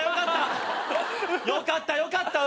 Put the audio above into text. よかったよかったうん。